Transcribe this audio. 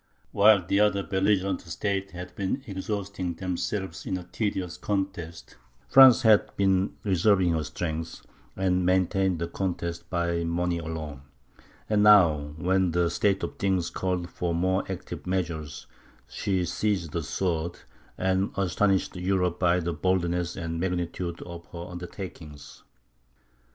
While the other belligerent states had been exhausting themselves in a tedious contest, France had been reserving her strength, and maintained the contest by money alone; but now, when the state of things called for more active measures, she seized the sword, and astonished Europe by the boldness and magnitude of her undertakings.